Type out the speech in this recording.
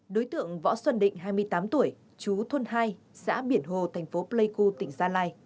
đối tượng võ xuân định hai mươi tám tuổi chú thôn hai xã biển hồ thành phố pleiku tỉnh gia lai